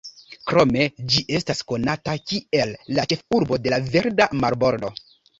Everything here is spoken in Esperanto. Krome, ĝi estas konata kiel la ĉefurbo de la "Verda marbordo".